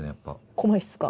細いっすか。